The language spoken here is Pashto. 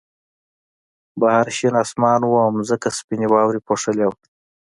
بهر شین آسمان و او ځمکه سپینې واورې پوښلې وه